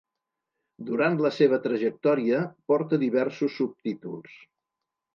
Durant la seva trajectòria porta diversos subtítols.